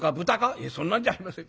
「いえそんなんじゃありません。